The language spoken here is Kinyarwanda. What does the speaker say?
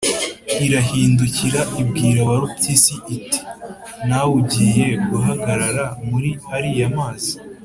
irahindukira ibwira warupyisi iti: “nawe ugiye guhagarara muri ariya mazi